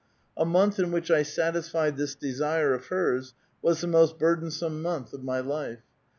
A month in which I satisfied this desire of hers was the most burdensome month of my life.